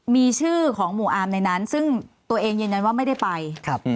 มีชื่อของหมู่อาร์มในนั้นซึ่งตัวเองยืนยันว่าไม่ได้ไป